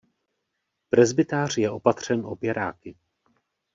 Presbytář je opatřen opěráky.